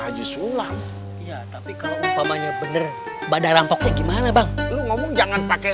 haji sulam ya tapi kalau umpamanya bener badan pokoknya gimana bang lu ngomong jangan pakai